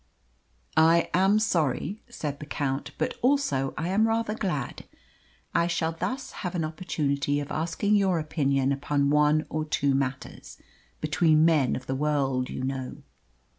"I am sorry," said the Count; "but also I am rather glad. I shall thus have an opportunity of asking your opinion upon one or two matters between men of the world, you know."